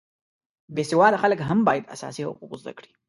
بې سواده خلک هم باید اساسي حقوق زده کړي